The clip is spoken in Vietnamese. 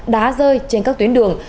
đá rơi trên các tuyến đường